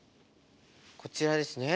こちらですね。